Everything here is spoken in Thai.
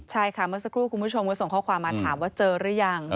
ใช่ค่ะเมื่อสักครู่คุณผู้ชมก็ส่งข้อความมาถามว่าเจอหรือยัง